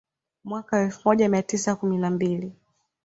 Mwaka wa elfu moja mia tisa kumi na mbili